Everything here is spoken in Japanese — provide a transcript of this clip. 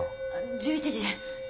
１１時。